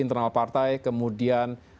internal partai kemudian